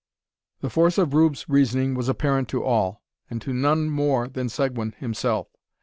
The force of Rube's reasoning was apparent to all, and to none more than Seguin himself.